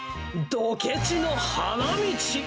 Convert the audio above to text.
ドケチの花道。